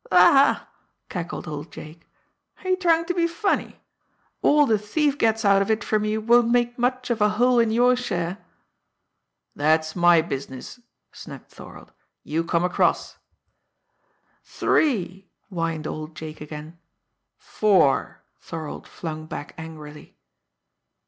"Ha, ha!" cackled old Jake. "Are you trying to be funny? All the thief gets out of it from you won't make much of a hole in your share!" "That's my business!" snapped Thorold. "You come across!" "Three!" whined old Jake again. "Four!" Thorold flung back angrily.